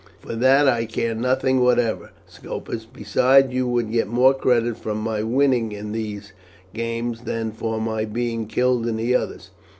"For that I care nothing whatever, Scopus; besides, you would get more credit from my winning in those games than from my being killed in the others.